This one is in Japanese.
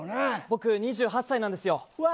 僕２８歳なんですよ。